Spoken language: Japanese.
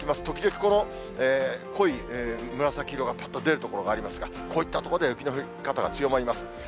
時々この濃い紫色がぱっと出る所もありますが、こういった所では、雪の降り方が強まります。